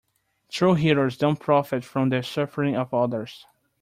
True heroes don't profit from the suffering of others.